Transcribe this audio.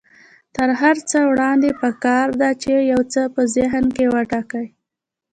تر هر څه وړاندې پکار ده چې يو څه په ذهن کې وټاکئ.